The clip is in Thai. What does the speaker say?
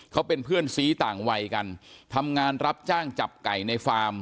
เขาเป็นเพื่อนซี้ต่างวัยกันทำงานรับจ้างจับไก่ในฟาร์ม